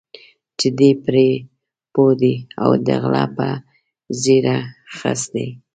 چې دی پرې پوه دی او د غله په ږیره خس دی.